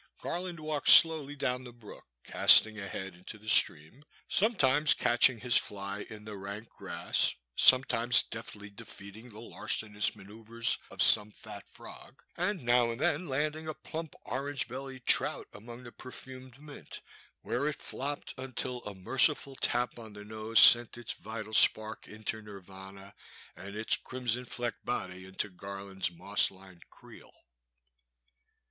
Garland walked slowly down the brook, casting ahead into the stream, some times catching his fly in the rank grass, some times deftly defeating the larcenous manceuvres of some fat frog, and now and then landing a plump orange bellied trout among the perfumed mint, where it flopped until a merciful tap on the nose sent its vital spark into Nirvana and its crim son flecked body into Garland's moss lined creel.